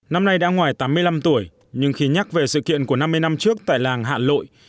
năm nay đã ngoài tám mươi năm tuổi nhưng khi nhắc về sự kiện của năm mươi năm trước tại làng hạ lội